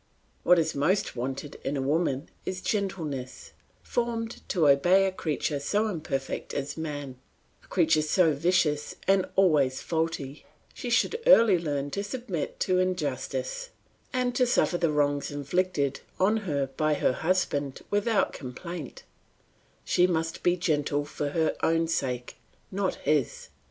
What is most wanted in a woman is gentleness; formed to obey a creature so imperfect as man, a creature often vicious and always faulty, she should early learn to submit to injustice and to suffer the wrongs inflicted on her by her husband without complaint; she must be gentle for her own sake, not his.